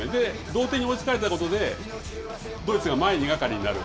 同点に追いつかれたことで、ドイツが前がかりになる。